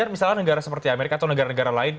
misalnya negara seperti amerika atau negara negara lain